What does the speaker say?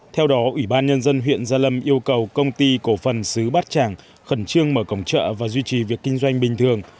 theo đó ủy ban nhân dân huyện gia lâm yêu cầu công ty cổ phần xứ bát tràng khẩn trương mở cổng chợ và duy trì việc kinh doanh bình thường